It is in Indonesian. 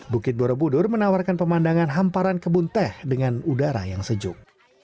bukit borobudur menawarkan pemandangan hamparan kebun teh dengan udara yang sejuk